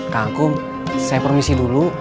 kang akung saya permisi dulu